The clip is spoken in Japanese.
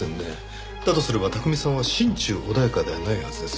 だとすれば巧さんは心中穏やかではないはずです。